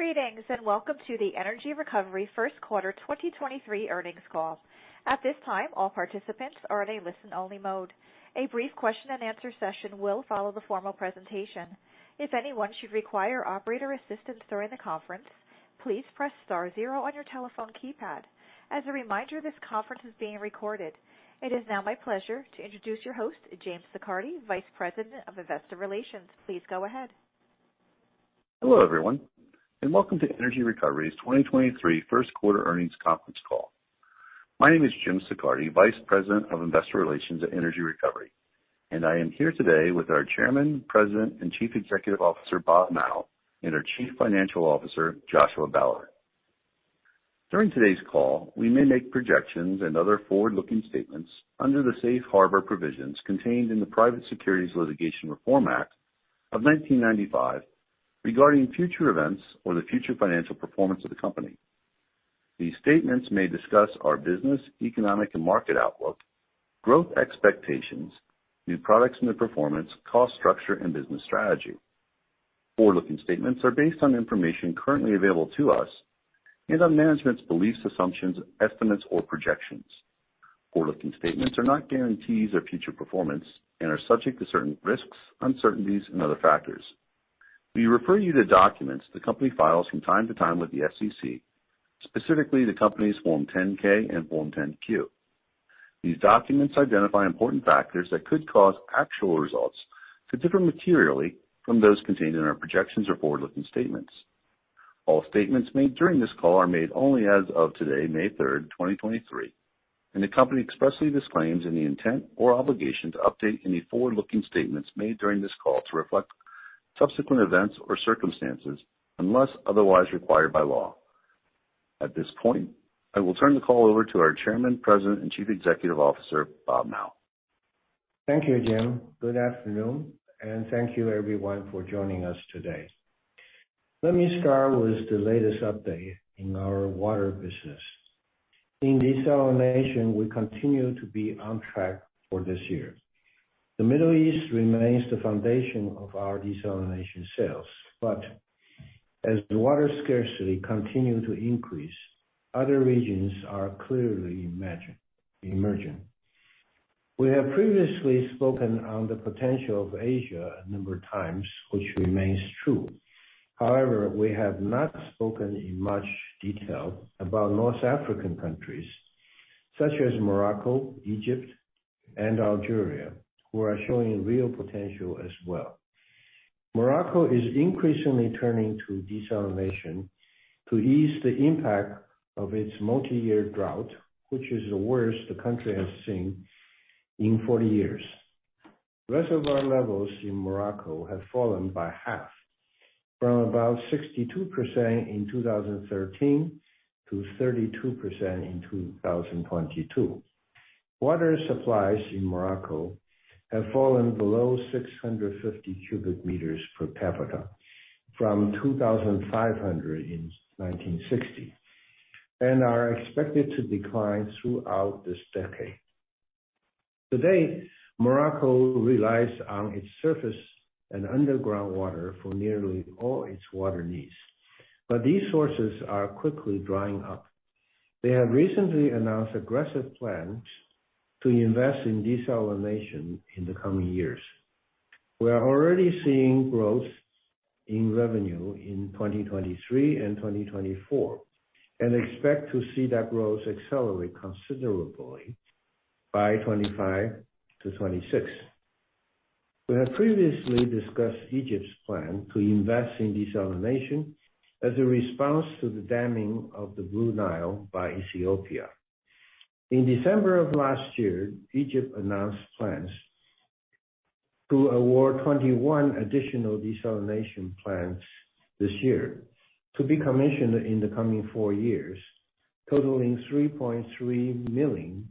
Greetings, and welcome to the Energy Recovery first quarter 2023 earnings call. At this time, all participants are in a listen-only mode. A brief question and answer session will follow the formal presentation. If anyone should require operator assistance during the conference, please press star zero on your telephone keypad. As a reminder, this conference is being recorded. It is now my pleasure to introduce your host, James Siccardi, Vice President of Investor Relations. Please go ahead. Hello, everyone, and welcome to Energy Recovery's 2023 first quarter earnings conference call. My name is Jim Siccardi, Vice President of Investor Relations at Energy Recovery, and I am here today with our Chairman, President, and Chief Executive Officer, Bob Mao, and our Chief Financial Officer, Joshua Ballard. During today's call, we may make projections and other forward-looking statements under the safe harbor provisions contained in the Private Securities Litigation Reform Act of 1995 regarding future events or the future financial performance of the company. These statements may discuss our business, economic and market outlook, growth expectations, new products and their performance, cost structure, and business strategy. Forward-looking statements are based on information currently available to us and on management's beliefs, assumptions, estimates, or projections. Forward-looking statements are not guarantees of future performance and are subject to certain risks, uncertainties, and other factors. We refer you to documents the company files from time to time with the SEC, specifically the company's Form 10-K and Form 10-Q. These documents identify important factors that could cause actual results to differ materially from those contained in our projections or forward-looking statements. All statements made during this call are made only as of today, May 3rd, 2023, and the company expressly disclaims any intent or obligation to update any forward-looking statements made during this call to reflect subsequent events or circumstances unless otherwise required by law. At this point, I will turn the call over to our Chairman, President, and Chief Executive Officer, Bob Mao. Thank you, Jim. Good afternoon, thank you everyone for joining us today. Let me start with the latest update in our water business. In desalination, we continue to be on track for this year. The Middle East remains the foundation of our desalination sales, as the water scarcity continue to increase, other regions are clearly emerging. We have previously spoken on the potential of Asia a number of times, which remains true. However, we have not spoken in much detail about North African countries such as Morocco, Egypt, and Algeria, who are showing real potential as well. Morocco is increasingly turning to desalination to ease the impact of its multi-year drought, which is the worst the country has seen in 40 years. Reservoir levels in Morocco have fallen by half from about 62% in 2013 to 32% in 2022. Water supplies in Morocco have fallen below 650 m³ per capita from 2,500 in 1960 and are expected to decline throughout this decade. Today, Morocco relies on its surface and underground water for nearly all its water needs, but these sources are quickly drying up. They have recently announced aggressive plans to invest in desalination in the coming years. We are already seeing growth in revenue in 2023 and 2024 and expect to see that growth accelerate considerably by 2025 to 2026. We have previously discussed Egypt's plan to invest in desalination as a response to the damming of the Blue Nile by Ethiopia. In December of last year, Egypt announced plans to award 21 additional desalination plants this year to be commissioned in the coming four years, totaling 3.3 million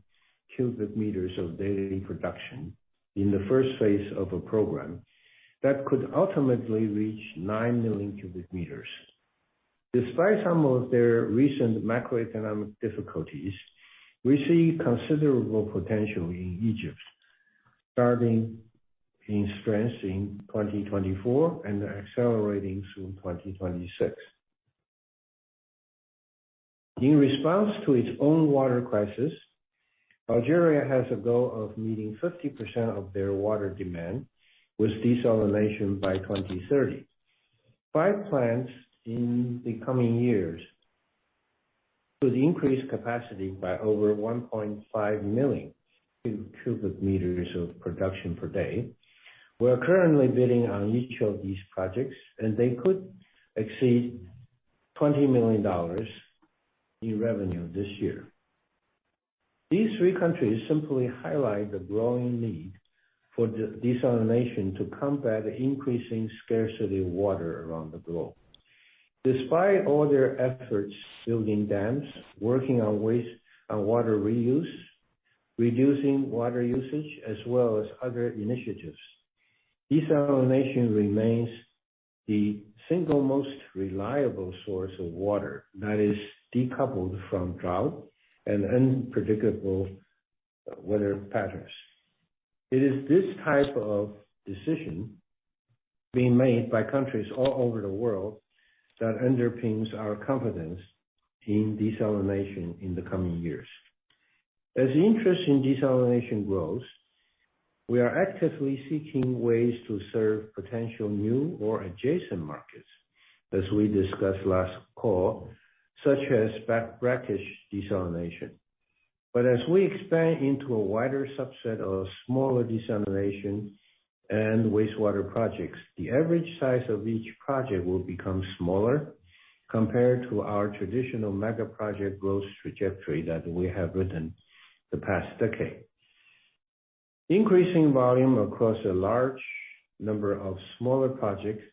m³ of daily production in the first phase of a program that could ultimately reach 9 million m³. Despite some of their recent macroeconomic difficulties, we see considerable potential in Egypt, strengths in 2024 and accelerating through 2026. In response to its own water crisis, Algeria has a goal of meeting 50% of their water demand with desalination by 2030. Five plants in the coming years to increase capacity by over 1.5 million m³ of production per day. They could exceed $20 million in revenue this year. These three countries simply highlight the growing need for desalination to combat increasing scarcity of water around the globe. Despite all their efforts building dams, working on waste and water reuse, reducing water usage as well as other initiatives, desalination remains the single most reliable source of water that is decoupled from drought and unpredictable weather patterns. It is this type of decision being made by countries all over the world that underpins our confidence in desalination in the coming years. As interest in desalination grows, we are actively seeking ways to serve potential new or adjacent markets, as we discussed last call, such as brackish desalination. As we expand into a wider subset of smaller desalination and wastewater projects, the average size of each project will become smaller compared to our traditional mega project growth trajectory that we have ridden the past decade. Increasing volume across a large number of smaller projects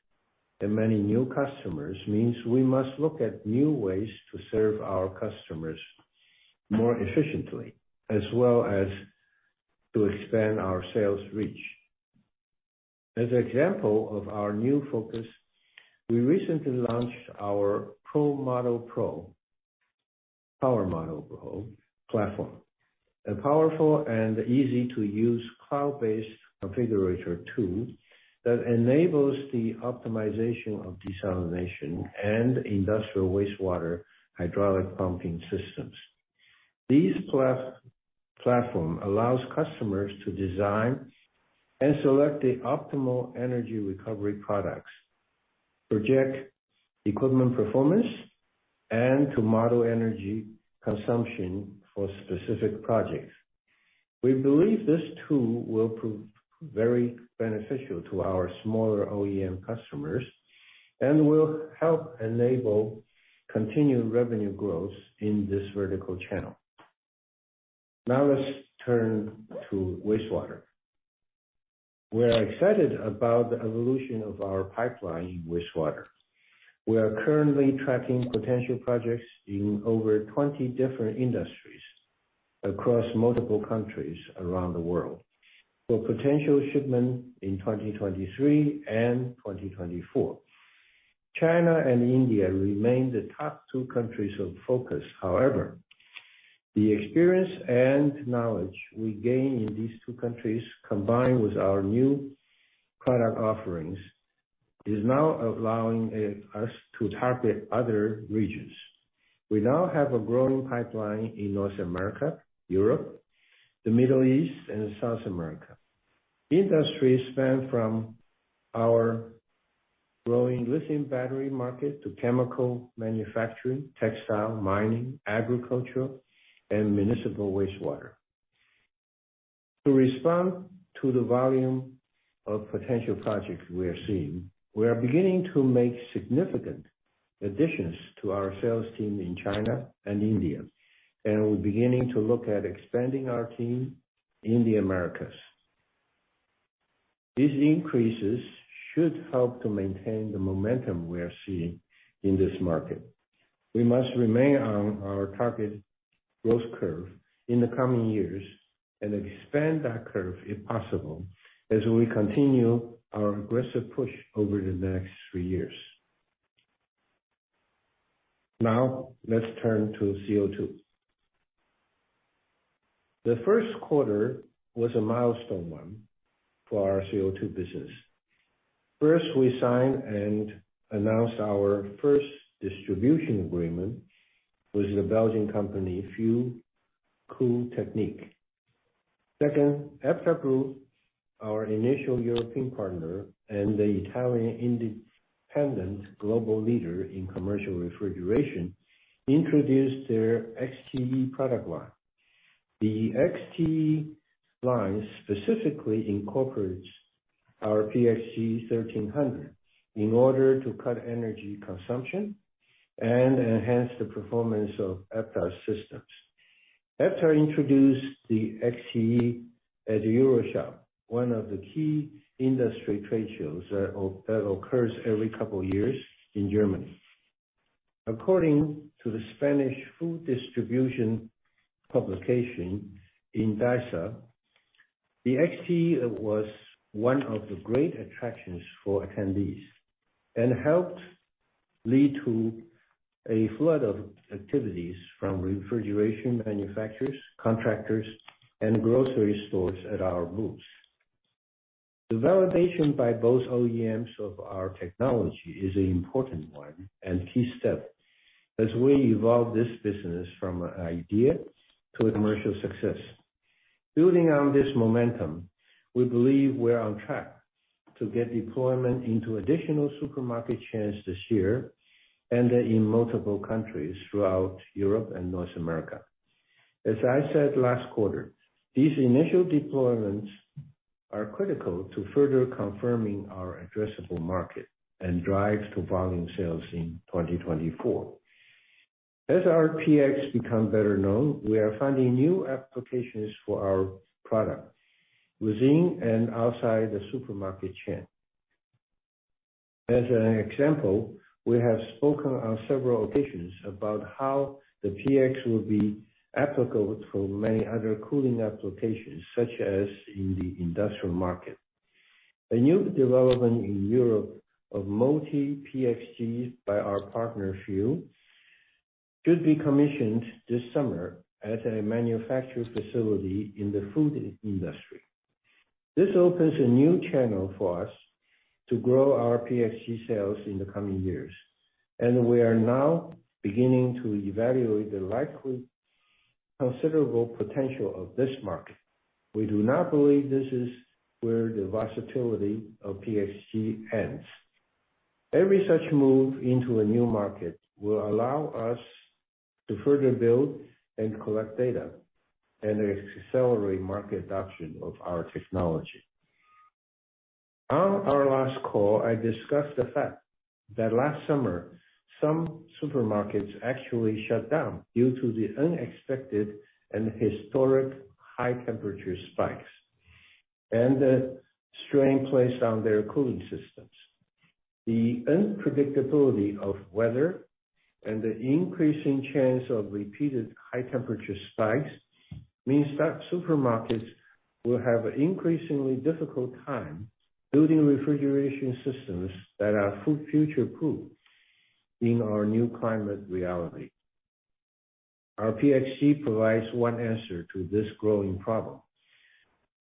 and many new customers means we must look at new ways to serve our customers more efficiently, as well as to expand our sales reach. As an example of our new focus, we recently launched our PowerModel Pro platform, a powerful and easy-to-use cloud-based configurator tool that enables the optimization of desalination and industrial wastewater hydraulic pumping systems. This platform allows customers to design and select the optimal Energy Recovery products, project equipment performance, and to model energy consumption for specific projects. We believe this tool will prove very beneficial to our smaller OEM customers and will help enable continued revenue growth in this vertical channel. Now let's turn to wastewater. We are excited about the evolution of our pipeline in wastewater. We are currently tracking potential projects in over 20 different industries across multiple countries around the world for potential shipment in 2023 and 2024. China and India remain the top two countries of focus. However, the experience and knowledge we gain in these two countries, combined with our new product offerings, is now allowing us to target other regions. We now have a growing pipeline in North America, Europe, the Middle East, and South America. Industries span from our growing lithium battery market to chemical manufacturing, textile, mining, agriculture, and municipal wastewater. To respond to the volume of potential projects we are seeing, we are beginning to make significant additions to our sales team in China and India, and we're beginning to look at expanding our team in the Americas. These increases should help to maintain the momentum we are seeing in this market. We must remain on our target growth curve in the coming years and expand that curve if possible, as we continue our aggressive push over the next three years. Let's turn to CO2. The first quarter was a milestone one for our CO2 business. We signed and announced our first distribution agreement with the Belgian company Fieuw Koeltechniek. Epta Group, our initial European partner and the Italian independent global leader in commercial refrigeration, introduced their XTE product line. The XTE line specifically incorporates our PX G1300 in order to cut energy consumption and enhance the performance of Epta's systems. Epta introduced the XTE at EuroShop, one of the key industry trade shows that occurs every couple years in Germany. According to the Spanish food distribution publication, Indagza, the XTE was one of the great attractions for attendees and helped lead to a flood of activities from refrigeration manufacturers, contractors, and grocery stores at our booths. The validation by both OEMs of our technology is an important one and key step as we evolve this business from an idea to a commercial success. Building on this momentum, we believe we're on track to get deployment into additional supermarket chains this year and in multiple countries throughout Europe and North America. As I said last quarter, these initial deployments are critical to further confirming our addressable market and drives to volume sales in 2024. As our PX become better known, we are finding new applications for our product within and outside the supermarket chain. We have spoken on several occasions about how the PX will be applicable for many other cooling applications, such as in the industrial market. A new development in Europe of multi-PX Gs by our partner Fieuw should be commissioned this summer at a manufacturing facility in the food industry. This opens a new channel for us to grow our PX G sales in the coming years. We are now beginning to evaluate the likely considerable potential of this market. We do not believe this is where the versatility of PX G ends. Every such move into a new market will allow us to further build and collect data and accelerate market adoption of our technology. On our last call, I discussed the fact that last summer, some supermarkets actually shut down due to the unexpected and historic high temperature spikes and the strain placed on their cooling systems. The unpredictability of weather and the increasing chance of repeated high temperature spikes means that supermarkets will have an increasingly difficult time building refrigeration systems that are future-proof in our new climate reality. Our PX G provides one answer to this growing problem,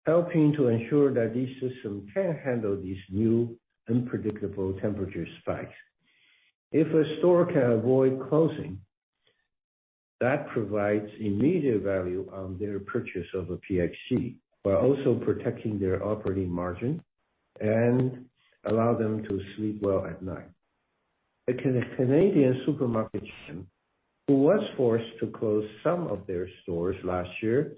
helping to ensure that these systems can handle these new unpredictable temperature spikes. If a store can avoid closing, that provides immediate value on their purchase of a PX G, while also protecting their operating margin and allow them to sleep well at night. A Canadian supermarket chain who was forced to close some of their stores last year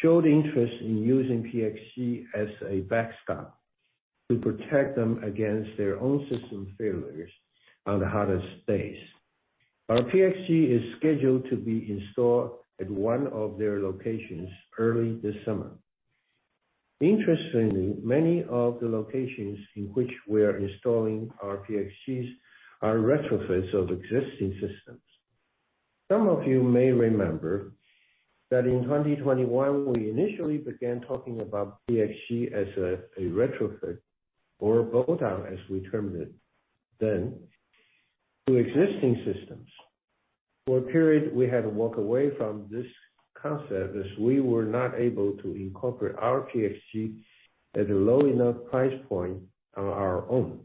showed interest in using PX G as a backstop to protect them against their own system failures on the hottest days. Our PX G is scheduled to be installed at one of their locations early this summer. Interestingly, many of the locations in which we are installing our PX Gs are retrofits of existing systems. Some of you may remember that in 2021, we initially began talking about PX G as a retrofit or a bow tie, as we termed it then, to existing systems. For a period, we had to walk away from this concept as we were not able to incorporate our PX G at a low enough price point on our own.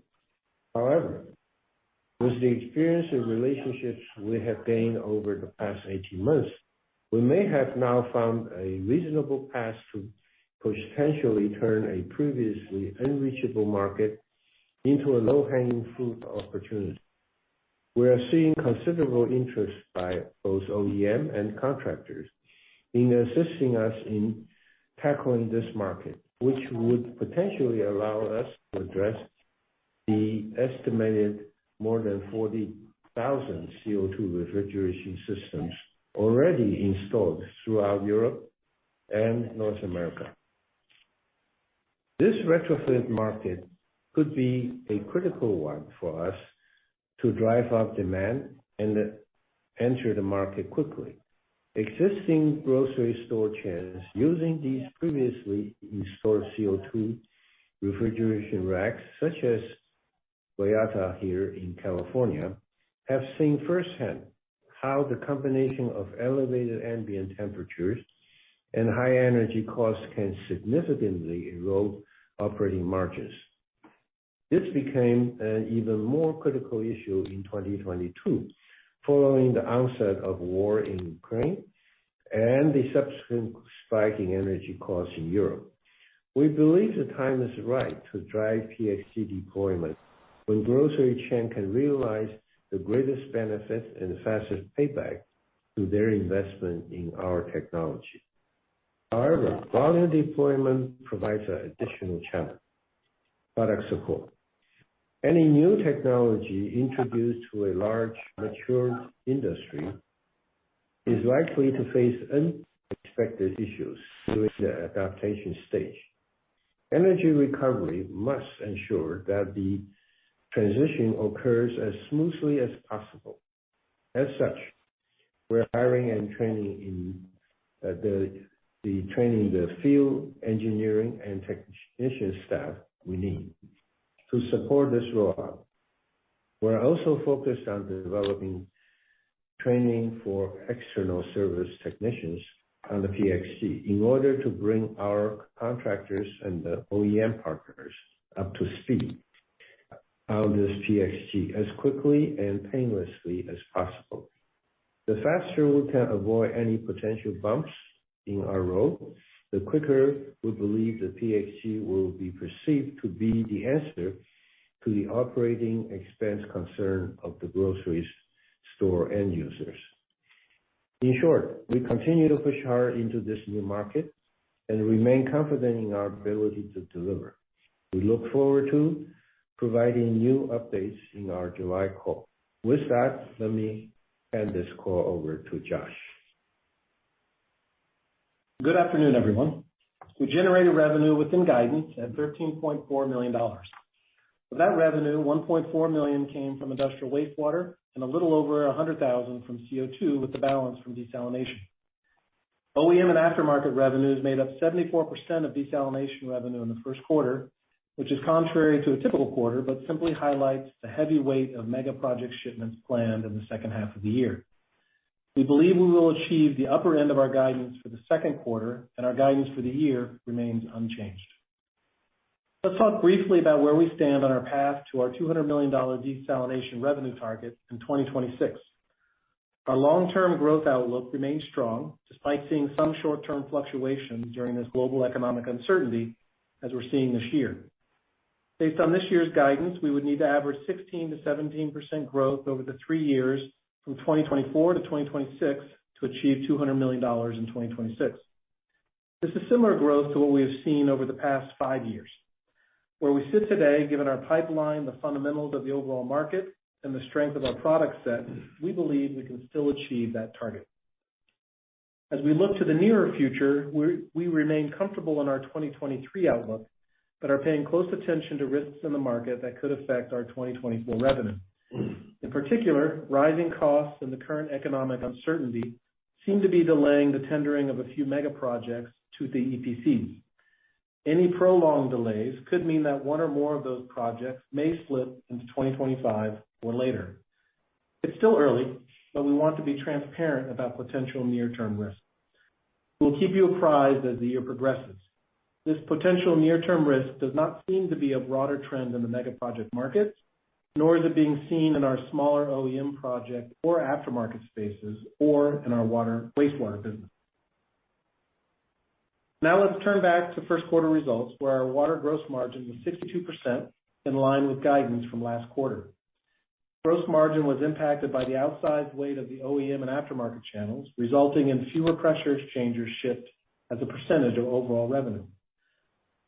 However, with the experience and relationships we have gained over the past 18 months, we may have now found a reasonable path to potentially turn a previously unreachable market into a low-hanging fruit opportunity. We are seeing considerable interest by both OEM and contractors in assisting us in tackling this market, which would potentially allow us to address the estimated more than 40,000 CO2 refrigeration systems already installed throughout Europe and North America. This retrofit market could be a critical one for us to drive up demand and enter the market quickly. Existing grocery store chains using these previously installed CO2 refrigeration racks, such as Toyota here in California, have seen firsthand how the combination of elevated ambient temperatures and high energy costs can significantly erode operating margins. This became an even more critical issue in 2022 following the onset of war in Ukraine and the subsequent spiking energy costs in Europe. We believe the time is right to drive PX G deployment when grocery chain can realize the greatest benefit and fastest payback to their investment in our technology. Volume deployment provides an additional challenge, product support. Any new technology introduced to a large mature industry is likely to face unexpected issues during the adaptation stage. Energy Recovery must ensure that the transition occurs as smoothly as possible. As such, we're hiring and training in the training the field engineering and technician staff we need to support this rollout. We're also focused on developing training for external service technicians on the PX G in order to bring our contractors and the OEM partners up to speed on this PX G as quickly and painlessly as possible. The faster we can avoid any potential bumps in our road, the quicker we believe the PX G will be perceived to be the answer to the operating expense concern of the grocery store end users. In short, we continue to push hard into this new market and remain confident in our ability to deliver. We look forward to providing new updates in our July call. With that, let me hand this call over to Josh. Good afternoon, everyone. We generated revenue within guidance at $13.4 million. Of that revenue, $1.4 million came from industrial wastewater and a little over $100,000 from CO2, with the balance from desalination. OEM and aftermarket revenues made up 74% of desalination revenue in the first quarter, which is contrary to a typical quarter, but simply highlights the heavy weight of mega project shipments planned in the second half of the year. We believe we will achieve the upper end of our guidance for the second quarter, and our guidance for the year remains unchanged. Let's talk briefly about where we stand on our path to our $200 million desalination revenue target in 2026. Our long-term growth outlook remains strong despite seeing some short-term fluctuations during this global economic uncertainty as we're seeing this year. Based on this year's guidance, we would need to average 16%-17% growth over the three years from 2024 to 2026 to achieve $200 million in 2026. This is similar growth to what we have seen over the past five years. Where we sit today, given our pipeline, the fundamentals of the overall market, and the strength of our product set, we believe we can still achieve that target. As we look to the nearer future, we remain comfortable in our 2023 outlook, but are paying close attention to risks in the market that could affect our 2024 revenue. In particular, rising costs and the current economic uncertainty seem to be delaying the tendering of a few mega projects to the EPCs. Any prolonged delays could mean that one or more of those projects may split into 2025 or later. It's still early, but we want to be transparent about potential near-term risks. We'll keep you apprised as the year progresses. This potential near-term risk does not seem to be a broader trend in the mega project markets, nor is it being seen in our smaller OEM project or aftermarket spaces or in our water-wastewater business. Now let's turn back to first quarter results, where our water gross margin was 62% in line with guidance from last quarter. Gross margin was impacted by the outsized weight of the OEM and aftermarket channels, resulting in fewer pressure exchangers shipped as a percentage of overall revenue.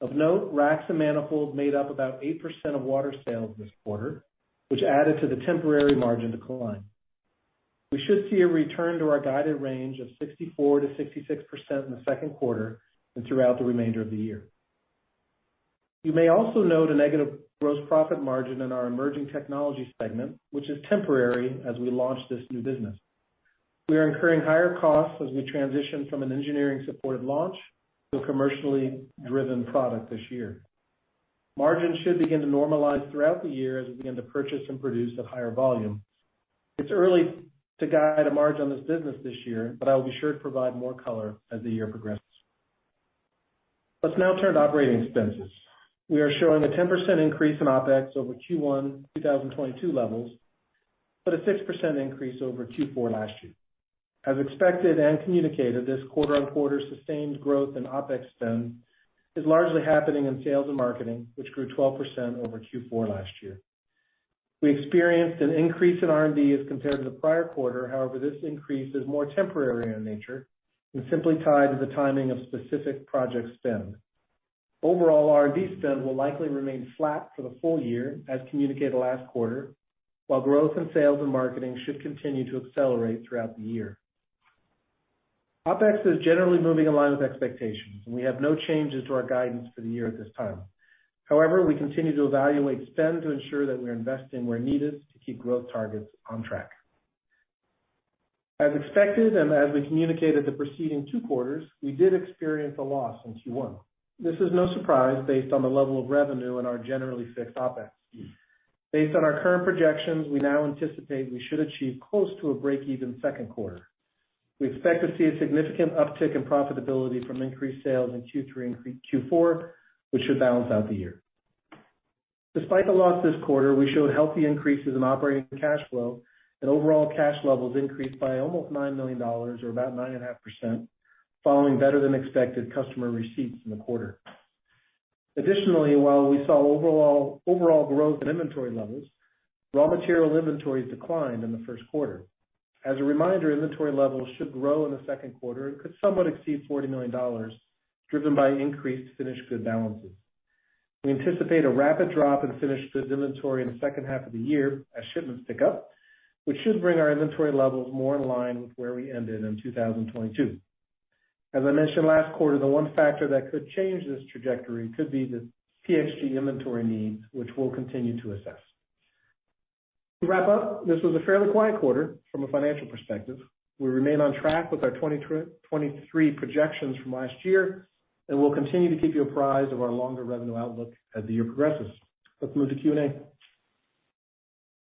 Of note, racks and manifolds made up about 8% of water sales this quarter, which added to the temporary margin decline. We should see a return to our guided range of 64%-66% in the second quarter and throughout the remainder of the year. You may also note a negative gross profit margin in our emerging technology segment, which is temporary as we launch this new business. We are incurring higher costs as we transition from an engineering-supported launch to a commercially driven product this year. Margins should begin to normalize throughout the year as we begin to purchase and produce at higher volume. It's early to guide a margin on this business this year, but I'll be sure to provide more color as the year progresses. Let's now turn to operating expenses. We are showing a 10% increase in OpEx over Q1 2022 levels, but a 6% increase over Q4 last year. As expected and communicated, this quarter-on-quarter sustained growth in OpEx spend is largely happening in sales and marketing, which grew 12% over Q4 last year. We experienced an increase in R&D as compared to the prior quarter. However, this increase is more temporary in nature and simply tied to the timing of specific project spend. Overall, R&D spend will likely remain flat for the full year as communicated last quarter, while growth in sales and marketing should continue to accelerate throughout the year. OpEx is generally moving in line with expectations, and we have no changes to our guidance for the year at this time. However, we continue to evaluate spend to ensure that we're investing where needed to keep growth targets on track. As expected, and as we communicated the preceding two quarters, we did experience a loss in Q1. This is no surprise based on the level of revenue and our generally fixed OpEx. Based on our current projections, we now anticipate we should achieve close to a break-even second quarter. We expect to see a significant uptick in profitability from increased sales in Q3 and Q4, which should balance out the year. Despite the loss this quarter, we showed healthy increases in operating cash flow and overall cash levels increased by almost $9 million or about 9.5% following better than expected customer receipts in the quarter. Additionally, while we saw overall growth in inventory levels, raw material inventories declined in the first quarter. As a reminder, inventory levels should grow in the second quarter and could somewhat exceed $40 million, driven by increased finished good balances. We anticipate a rapid drop in finished goods inventory in the second half of the year as shipments pick up, which should bring our inventory levels more in line with where we ended in 2022. As I mentioned last quarter, the one factor that could change this trajectory could be the PX G inventory needs, which we'll continue to assess. To wrap up, this was a fairly quiet quarter from a financial perspective. We remain on track with our 2023 projections from last year, and we'll continue to keep you apprised of our longer revenue outlook as the year progresses. Let's move to Q and A.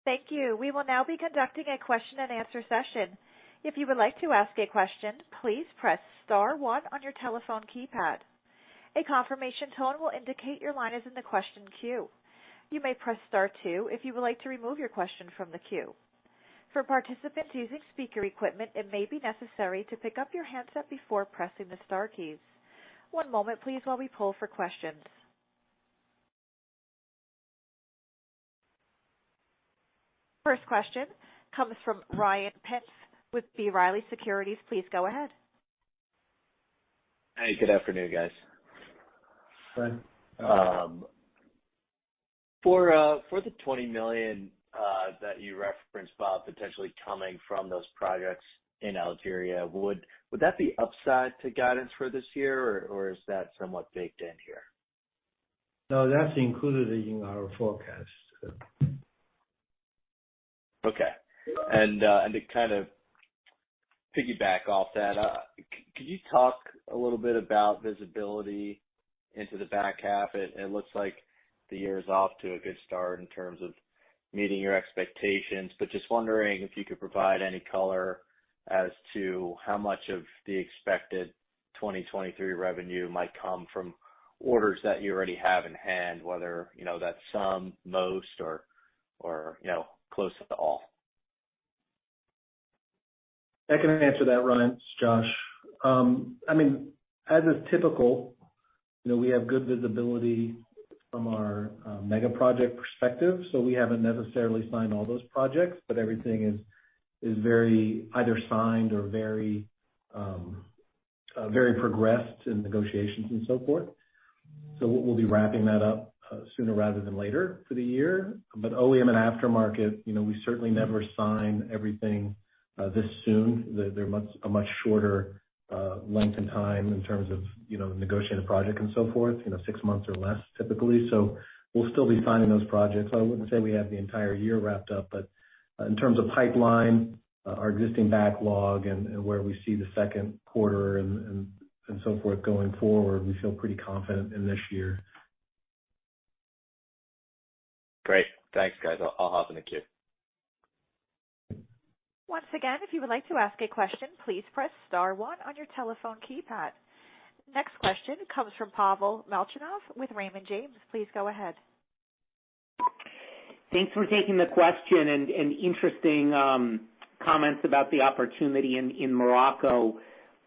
Thank you. We will now be conducting a question-and-answer session. If you would like to ask a question, please press star one on your telephone keypad. A confirmation tone will indicate your line is in the question queue. You may press star two if you would like to remove your question from the queue. For participants using speaker equipment, it may be necessary to pick up your handset before pressing the star keys. One moment please while we poll for questions. First question comes from Ryan Pfingst with B. Riley Securities. Please go ahead. Hey, good afternoon, guys. Hi. For the $20 million that you referenced, Bob, potentially coming from those projects in Algeria, would that be upside to guidance for this year, or is that somewhat baked in here? No, that's included in our forecast. To kind of piggyback off that, could you talk a little bit about visibility into the back half? It looks like the year is off to a good start in terms of meeting your expectations. Just wondering if you could provide any color as to how much of the expected 2023 revenue might come from orders that you already have in hand, whether, you know, that's some, most or, you know, close to all. I can answer that, Ryan. It's Josh. I mean, as is typical, you know, we have good visibility from our mega project perspective. We haven't necessarily signed all those projects, but everything is very either signed or very progressed in negotiations and so forth. We'll be wrapping that up sooner rather than later for the year. OEM and aftermarket, you know, we certainly never sign everything this soon. They're a much shorter length in time in terms of, you know, negotiating a project and so forth, you know, six months or less typically. We'll still be signing those projects. I wouldn't say we have the entire year wrapped up. In terms of pipeline, our existing backlog and where we see the second quarter and so forth going forward, we feel pretty confident in this year. Great. Thanks, guys. I'll hop in the queue. Once again, if you would like to ask a question, please press star one on your telephone keypad. Next question comes from Pavel Molchanov with Raymond James. Please go ahead. Thanks for taking the question and interesting comments about the opportunity in Morocco.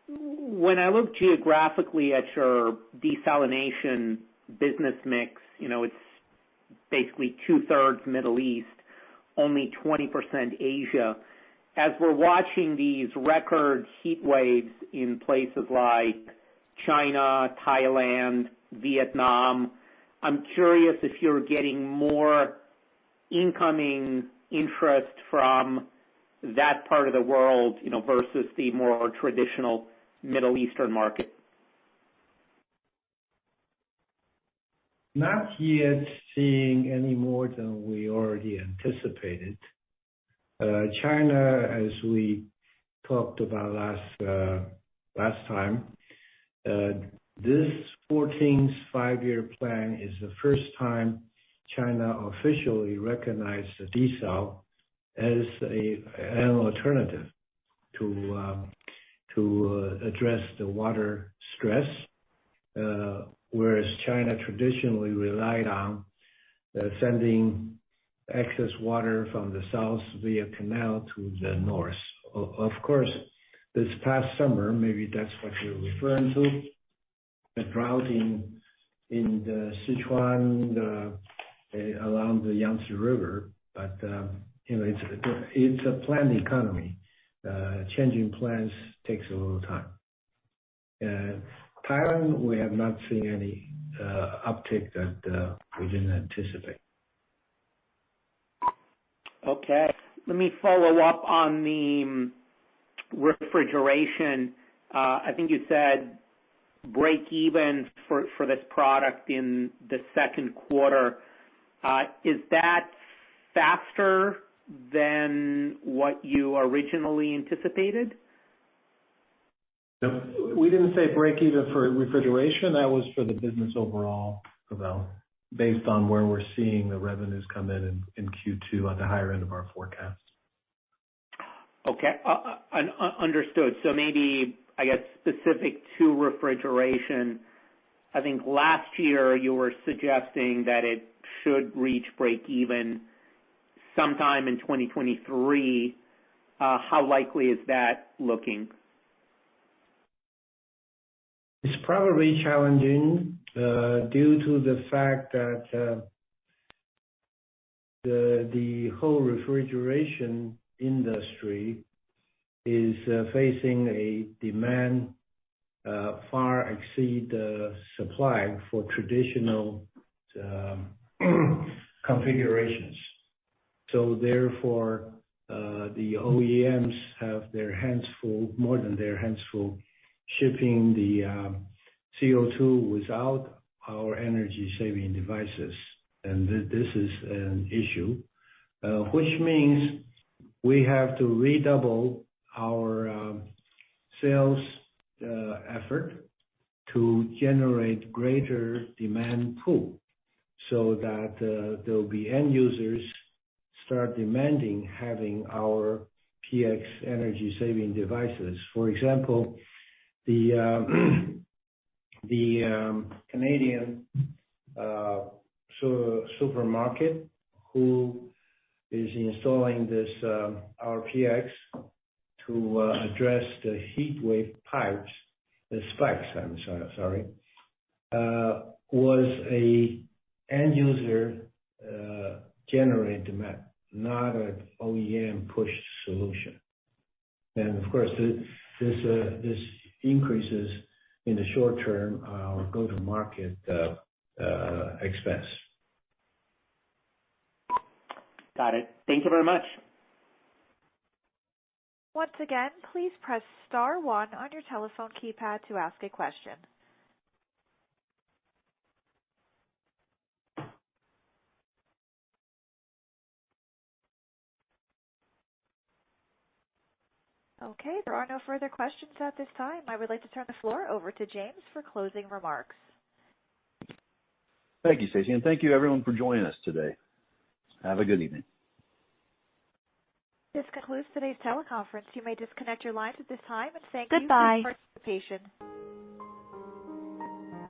When I look geographically at your desalination business mix, you know, it's basically 2/3 Middle East, only 20% Asia. As we're watching these record heat waves in places like China, Thailand, Vietnam, I'm curious if you're getting more incoming interest from that part of the world, you know, versus the more traditional Middle Eastern market? Not yet seeing any more than we already anticipated. China, as we talked about last time, this 14th Five-Year Plan is the first time China officially recognized the desal as an alternative to address the water stress, whereas China traditionally relied on sending excess water from the south via canal to the north. Of course, this past summer, maybe that's what you're referring to, the drought in the Sichuan along the Yangtze River. you know, it's a planned economy. Changing plans takes a little time. Thailand, we have not seen any uptick that we didn't anticipate. Okay. Let me follow up on the refrigeration. I think you said break even for this product in the second quarter. Is that faster than what you originally anticipated? No. We didn't say break even for refrigeration. That was for the business overall, Pavel, based on where we're seeing the revenues come in Q2 on the higher end of our forecast. Okay. Understood. Maybe, I guess, specific to refrigeration, I think last year you were suggesting that it should reach break even sometime in 2023. How likely is that looking? It's probably challenging, due to the fact that the whole refrigeration industry is facing a demand far exceed the supply for traditional configurations. Therefore, the OEMs have their hands full, more than their hands full, shipping the CO2 without our energy-saving devices. This is an issue, which means we have to redouble our sales effort to generate greater demand pool so that there'll be end users start demanding having our PX energy-saving devices. For example, the Canadian supermarket who is installing this our PX to address the heat wave spikes, I'm sorry, was a end user, generate demand, not an OEM-pushed solution. Of course, this increases in the short term our go-to-market expense. Got it. Thank you very much. Once again, please press star one on your telephone keypad to ask a question. Okay, there are no further questions at this time. I would like to turn the floor over to James for closing remarks. Thank you, Stacey. Thank you everyone for joining us today. Have a good evening. This concludes today's teleconference. You may disconnect your lines at this time. Thank you for your participation.